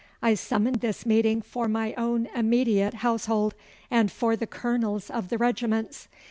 I summoned this meeting for my own immediate household, and for the colonels of the regiments.